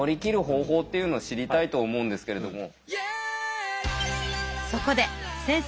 方法っていうのを知りたいと思うんですけれども。